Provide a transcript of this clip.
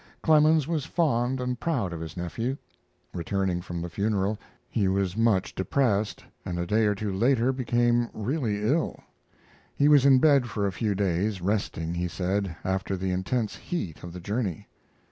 Clemens was fond and proud of his nephew. Returning from the funeral, he was much depressed, and a day or two later became really ill. He was in bed for a few days, resting, he said, after the intense heat of the journey.